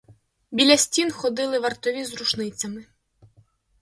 Біля стін ходили вартові з рушницями.